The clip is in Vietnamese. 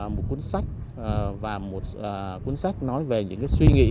một cuốn sách và một cuốn sách nói về những suy nghĩ